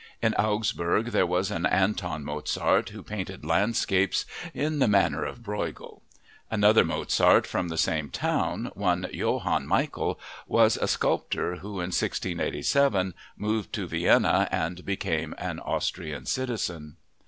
In Augsburg there was an Anton Mozart who painted landscapes "in the manner of Breughel." Another Mozart from the same town, one Johann Michael, was a sculptor, who in 1687 moved to Vienna and became an Austrian citizen.